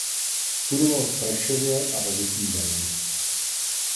Studoval v Prešově a ve Wittenbergu.